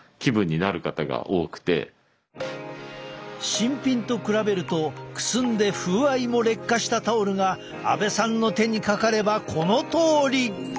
新品と比べるとくすんで風合いも劣化したタオルが阿部さんの手にかかればこのとおり！